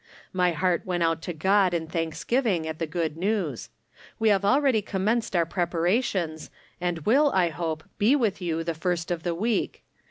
My heart went out to God in thanksgiving at the good news. We have already commenced our preparations, and will, I hope, be with you the first of the week.